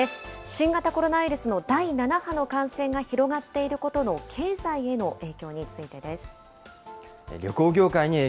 新型コロナウイルスの第７波の感染が広がっていることの経済への影響についてです。